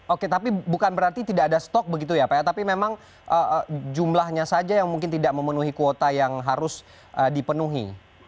oke tapi bukan berarti tidak ada stok begitu ya pak ya tapi memang jumlahnya saja yang mungkin tidak memenuhi kuota yang harus dipenuhi